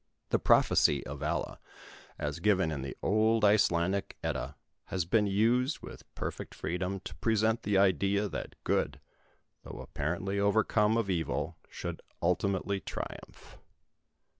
The Prophecy of Vala, as given in the old Icelandic Edda, has been used with perfect freedom, to present the idea that Good, though apparently overcome of Evil, should ultimately triumph.